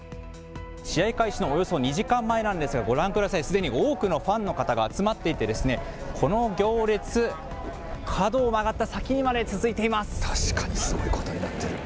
試合開始のおよそ２時間前なんですが、ご覧ください、すでに多くのファンの方が集まっていて、この行列、角を曲がった先にまで続確かにすごいことになってる。